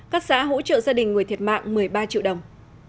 các xã hỗ trợ gia đình người thiệt mạng một mươi ba triệu đồng